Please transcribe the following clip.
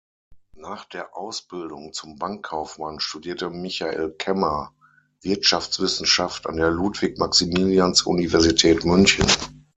Nach der Ausbildung zum Bankkaufmann studierte Michael Kemmer Wirtschaftswissenschaft an der Ludwig-Maximilians-Universität München.